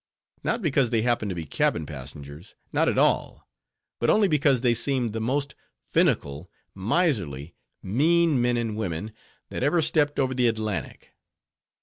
Not because they happened to be cabin passengers: not at all: but only because they seemed the most finical, miserly, mean men and women, that ever stepped over the Atlantic.